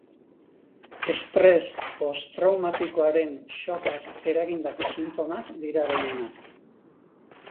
Estres postraumatikoaren shockak eragindako sintomak dira gehienak.